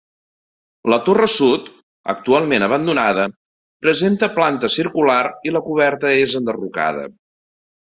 La torre sud, actualment abandonada, presenta planta circular i la coberta és enderrocada.